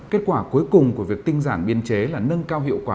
kết quả cuối cùng của việc tinh giản biên chế là nâng cao hiệu quả